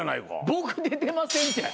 僕出てませんって。